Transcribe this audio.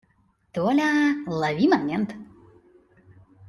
Толя, лови момент.